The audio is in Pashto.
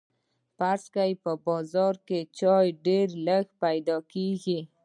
فرض کړئ په بازار کې چای ډیر لږ پیدا کیږي.